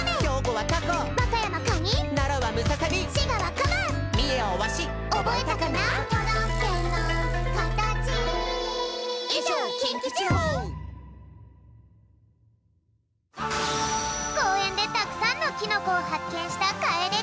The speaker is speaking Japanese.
こうえんでたくさんのキノコをはっけんしたかえでちゃん。